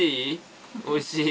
おいしい？